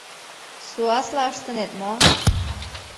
Суасла ыштынет мо?